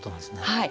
はい。